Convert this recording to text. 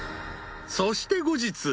［そして後日］